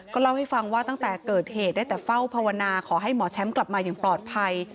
เล่าให้ฟังว่าตั้งแต่เกิดเหตุได้แต่เฝ้าภาวนาขอให้หมอแชมป์กลับมาอย่างปลอดภัย